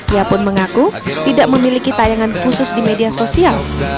ia pun mengaku tidak memiliki tayangan khusus di media sosial